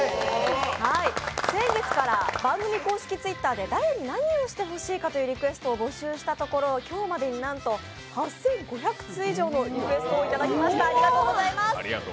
先月から番組公式Ｔｗｉｔｔｅｒで誰に、何をしてほしいか募集したところ、今日までになんと８５００通以上のリクエストをいただきました、ありがとうございます。